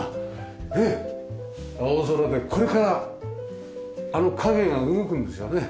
青空でこれからあの影が動くんですよね。